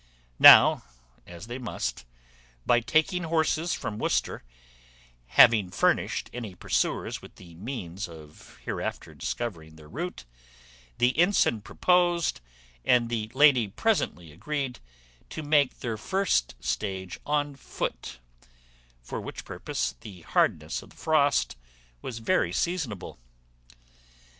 Now, as they must, by taking horses from Worcester, have furnished any pursuers with the means of hereafter discovering their route, the ensign proposed, and the lady presently agreed, to make their first stage on foot; for which purpose the hardness of the frost was very seasonable.